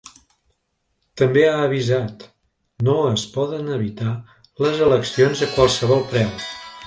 També ha avisat: No es poden evitar les eleccions a qualsevol preu.